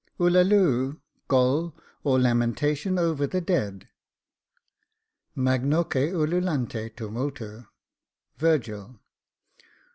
Ullaloo, Gol, or lamentation over the dead Magnoque ululante tumultu. VIRGIL.